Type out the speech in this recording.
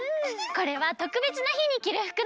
これはとくべつなひにきるふくなの。